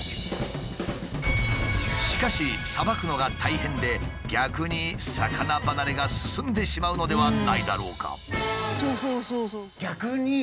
しかしさばくのが大変で逆に魚離れが進んでしまうのではないだろうか？